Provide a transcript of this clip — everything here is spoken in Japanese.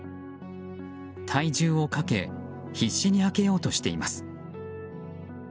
体重をかけ必死に開けようとしています。